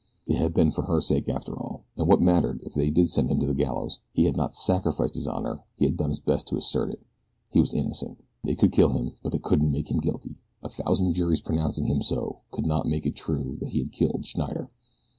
It had been for her sake after all, and what mattered it if they did send him to the gallows? He had not sacrificed his honor he had done his best to assert it. He was innocent. They could kill him but they couldn't make him guilty. A thousand juries pronouncing him so could not make it true that he had killed Schneider.